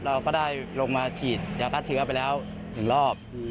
เราก็ได้ลงมาฉีดยาฆ่าเชื้อไปแล้ว๑รอบ